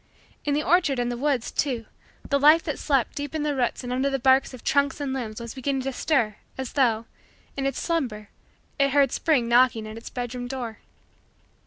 In the orchard and the woods, too, the Life that slept deep in the roots and under the bark of trunks and limbs was beginning to stir as though, in its slumber, it heard Spring knocking at its bedroom door.